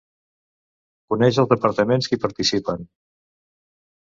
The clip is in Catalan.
Coneix els Departaments que hi participen.